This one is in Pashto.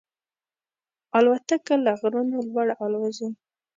الوتکه له غرونو لوړ الوزي.